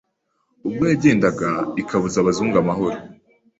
ubwo yagendaga ikabuza abazungu amahoro